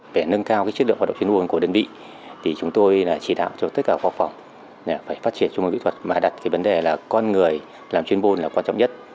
về nâng cao chất lượng hoạt động chuyên môn của đơn vị chúng tôi chỉ đạo cho tất cả khoa phòng phải phát triển chung môn kỹ thuật mà đặt vấn đề là con người làm chuyên môn là quan trọng nhất